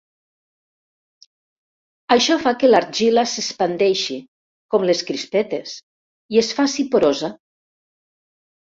Això fa que l'argila s'expandeixi, com les crispetes, i es faci porosa.